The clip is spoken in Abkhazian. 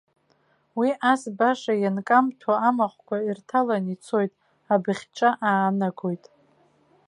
Уи ас баша ианкамҭәо амахәқәа ирҭалан ицоит, абыӷьҿа аанагоит.